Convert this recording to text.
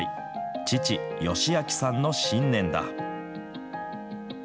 父、善明さんの信念だ。